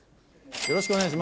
よろしくお願いします。